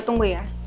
gue tunggu ya